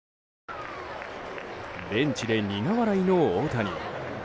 ベンチで苦笑いの大谷。